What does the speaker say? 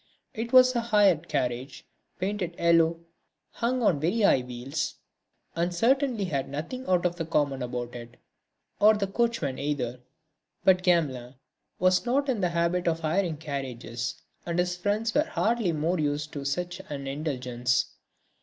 It was a hired carriage, painted yellow, hung on very high wheels and certainly had nothing out of the common about it, or the coachman either. But Gamelin was not in the habit of hiring carriages and his friends were hardly more used to such an indulgence.